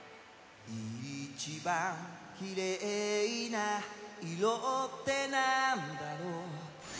「一番きれいな色ってなんだろう？」